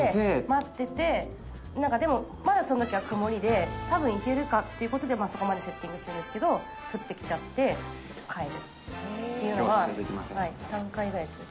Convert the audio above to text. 待ってて、なんかでも、まだそのときは曇りで、たぶんいけるかってことで、そこまでセッティングするんですけど、降ってきちゃって帰るっていうのが、３回ぐらい。